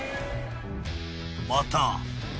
［また］